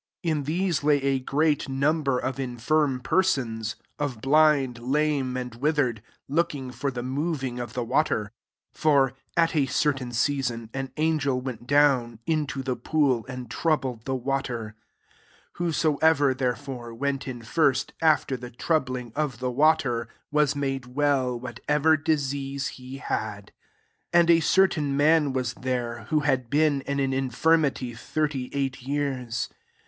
3 In these lay a [greaf\ number of infirm persons ; of blind, lame, and withered, [look ing for the moving of the water.'] 4 [^For at a certain season, an angel went down into the ftoolj and troubled the water: whoso* every therefore^ went in firsts af ter the troubling (tf the water ^ was made well, whatever disease he had.]] 5 And a certain man was there, who had been in an infir mity thirty eight years.